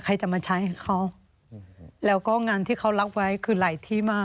ใครจะมาใช้ให้เขาแล้วก็งานที่เขารับไว้คือหลายที่มาก